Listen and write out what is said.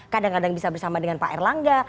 kadang kadang bisa bersama dengan pak erlangga